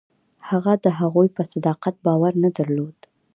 هغه د هغوی په صداقت باور نه درلود.